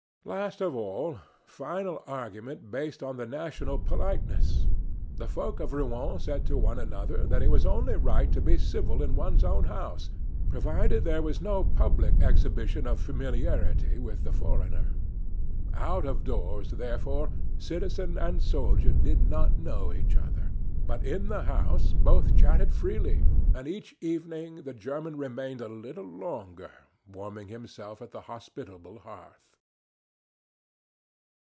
Last of all final argument based on the national politeness the folk of Rouen said to one another that it was only right to be civil in one's own house, provided there was no public exhibition of familiarity with the foreigner. Out of doors, therefore, citizen and soldier did not know each other; but in the house both chatted freely, and each evening the German remained a little longer warming himself at the hospitable hearth.